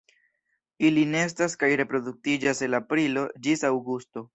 Ili nestas kaj reproduktiĝas el aprilo ĝis aŭgusto.